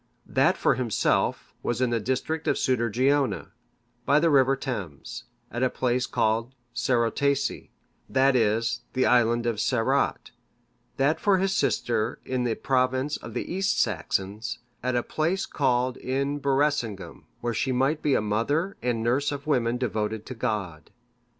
That for himself was in the district of Sudergeona, by the river Thames, at a place called Cerotaesei,(582) that is, the Island of Cerot; that for his sister in the province of the East Saxons, at a place called In Berecingum,(583) wherein she might be a mother and nurse of women devoted to God.